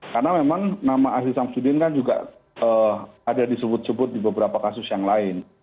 karena memang nama aziz syamsuddin kan juga ada disebut sebut di beberapa kasus yang lain